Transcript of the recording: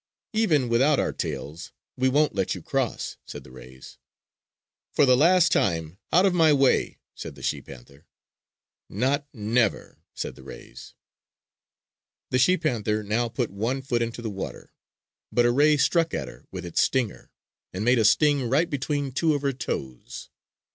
"Even without our tails, we won't let you cross!" said the rays. "For the last time, out of my way!" said the she panther. "Not never!" said the rays. The she panther now put one foot into the water; but a ray struck at her with its stinger, and made a sting right between two of her toes.